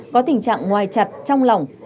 có tình trạng ngoài chặt trong lỏng